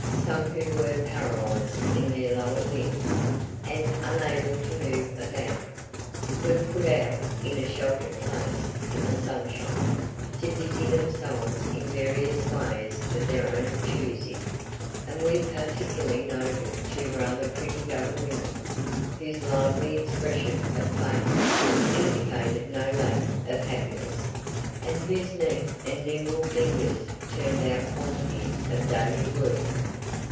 Some who were paralyzed in their lower limbs, and unable to move about, were put out in a sheltered place in the sunshine, to busy themselves in various ways of their own choosing, and we particularly noted two rather pretty young women, whose lively expression of face indicated no lack of happiness, and whose neat and nimble fingers turned out quantities of daily work.